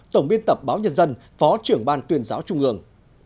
tổng biên tập báo nhân dân phó trưởng ban tuyên giáo trung ương